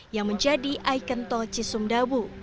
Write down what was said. yang menjadi ikon tol cisumdawu